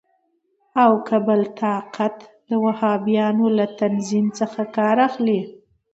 او که بل طاقت د وهابیانو له تنظیم څخه کار اخلي.